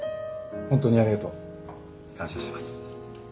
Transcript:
ホントにありがとう。感謝してます。